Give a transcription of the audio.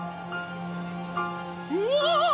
うわ！